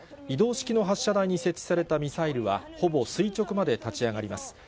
移動式の発射台に設置されたミサイルは、ほぼ垂直まで立ち上がります。